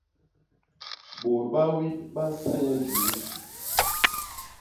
Bôt ba wip ba nsa nye juu.